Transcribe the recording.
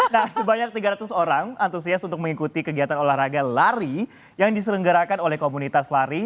nah sebanyak tiga ratus orang antusias untuk mengikuti kegiatan olahraga lari yang diselenggarakan oleh komunitas lari